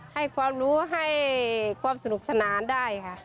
ให้ความรู้ให้ความสนุกสนานได้ค่ะ